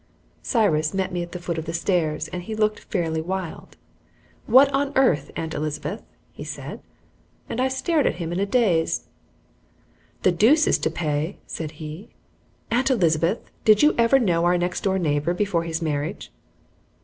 Cyrus met me at the foot of the stairs, and he looked fairly wild. "What on earth, Aunt Elizabeth!" said he, and I stared at him in a daze. "The deuce is to pay," said he. "Aunt Elizabeth, did you ever know our next door neighbor before his marriage?"